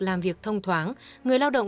làm việc thông thoáng người lao động